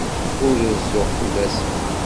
Ur rezzuɣ fell-asen.